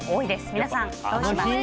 皆さん、どうしますか？